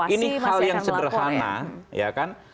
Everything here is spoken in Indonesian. ini hal yang sederhana ya kan